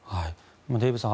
デーブさん